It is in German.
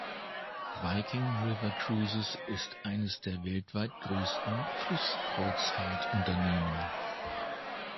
Viking River Cruises ist eines der weltweit grössten Flusskreuzfahrt-Unternehmen.